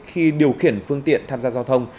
khi điều khiển phương tiện tham gia giao thông